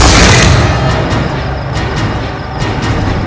jangan bunuh saya